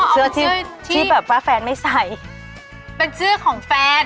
เสื้อที่ที่แบบว่าแฟนไม่ใส่เป็นเสื้อของแฟน